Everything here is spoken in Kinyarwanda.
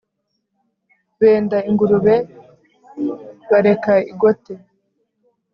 Benda ingurube bareka igote!